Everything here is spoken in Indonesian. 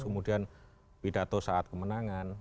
kemudian pidato saat kemenangan